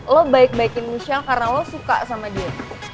lo baik baikin michelle karena lo suka sama dia